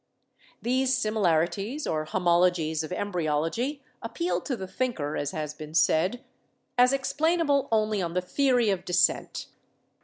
These similarities or homologies of embryology appeal to the thinker, as has been said, as explainable only on the theory of descent.